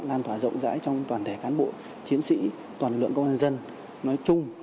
lan tỏa rộng rãi trong toàn thể cán bộ chiến sĩ toàn lượng công an dân nói chung